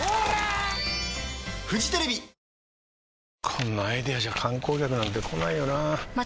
こんなアイデアじゃ観光客なんて来ないよなあ